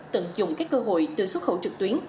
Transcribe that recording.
tận dụng các cơ hội từ xuất khẩu trực tuyến